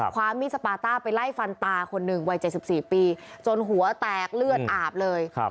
ความมีดสปาต้าไปไล่ฟันตาคนหนึ่งวัย๗๔ปีจนหัวแตกเลือดอาบเลย